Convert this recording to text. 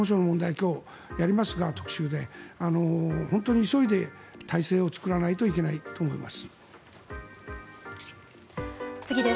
今日、特集でやりますが本当に急いで体制を作らないといけないと思います。